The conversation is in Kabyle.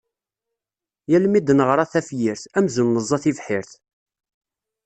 Yal mi d-neɣra tafyirt, amzun neẓẓa tibḥirt.